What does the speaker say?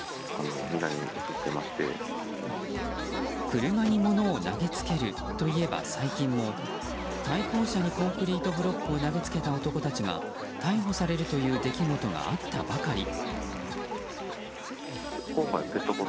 車に物を投げつけるといえば最近も対向車にコンクリートブロックを投げつけた男たちが逮捕されるという出来事があったばかり。